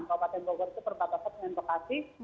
kabupaten bogor itu perbatasan dengan bekasi